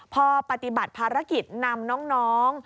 พอปฏิบัติภารกิจนำน้อง